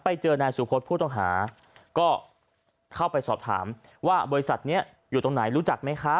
ไปเจอนายสุคศผู้ต้องหาก็เข้าไปสอบถามว่าบริษัทนี้อยู่ตรงไหนรู้จักไหมคะ